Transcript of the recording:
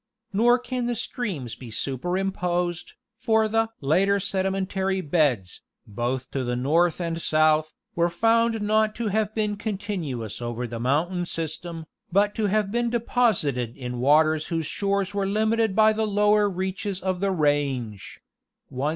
Nor can the streams be superimposed, for the "later sedimentary beds, both to the north and south, were found not to have been continuous over the mountain system, but to have been deposited in waters whose shores were limited by the lower reaches of the range" (166).